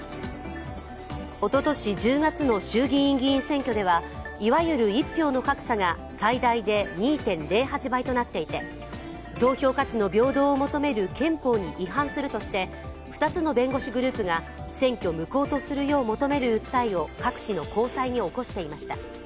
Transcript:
おととし１０月の衆議院議員選挙ではいわゆる一票の格差が最大で２．０８倍となっていて、投票価値の平等を求める憲法に違反するとして、２つの弁護士グループが選挙無効とするよう求める訴えを各地の高裁に起こしていました。